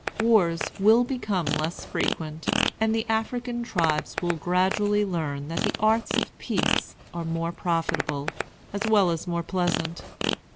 Wars will become less frequent; and the African tribes will gradually learn that the arts of peace are more profitable, as well as more pleasant.